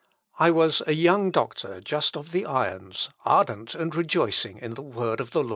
"I was a young doctor just of the irons, ardent and rejoicing in the word of the Lord."